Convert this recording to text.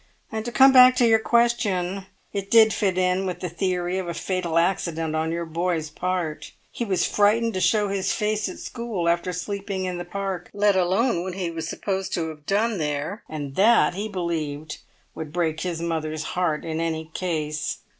And to come back to your question, it did fit in with the theory of a fatal accident on your boy's part; he was frightened to show his face at school after sleeping in the Park, let alone what he was supposed to have done there; and that, he believed, would break his mother's heart in any case."